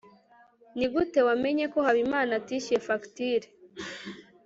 nigute wamenye ko habimana atishyuye fagitire